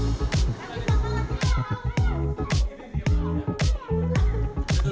ini dia pelan pelan